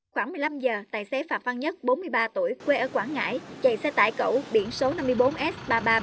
khoảng một mươi năm giờ tài xế phạm phan nhất bốn mươi ba tuổi quê ở quảng ngãi chạy xe tải cẩu biển số năm mươi bốn s ba nghìn ba trăm bảy mươi chín